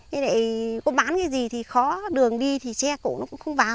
thế này có bán cái gì thì khó đường đi thì xe cổ nó cũng không vào